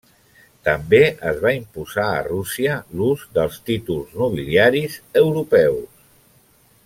També es va imposar a Rússia l'ús dels títols nobiliaris europeus.